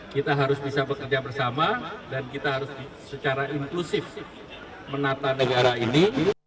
kita harus bisa bekerja bersama dan kita harus secara inklusif menata negara ini